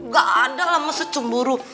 gak ada lah masa cemburu